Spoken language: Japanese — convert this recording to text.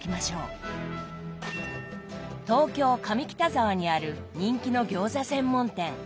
東京・上北沢にある人気の餃子専門店。